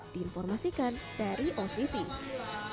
diinformasikan dari osc simanggarai